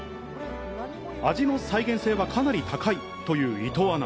味の再現性はかなり高いという伊藤アナ。